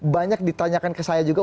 banyak ditanyakan ke saya juga